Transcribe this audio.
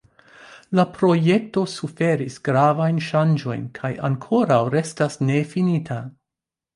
La projekto suferis gravajn ŝanĝojn kaj ankoraŭ restas nefinita.